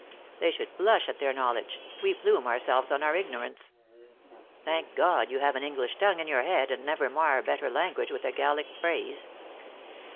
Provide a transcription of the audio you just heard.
They should blush at their knowledge ; we plume our selves on our ignorance. Thank God you have an English tongue in your head, and never mar a better language with a Gallic phrase.